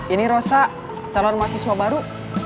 ini rosa calon mahasiswa baru